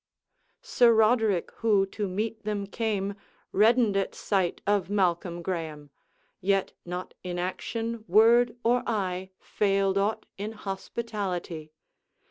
Sir Roderick, who to meet them came, Reddened at sight of Malcolm Graeme, Yet, not in action, word, or eye, Failed aught in hospitality.